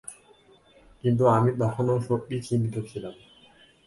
কিন্তু আমি তখনও সত্যিই চিন্তিত ছিলাম।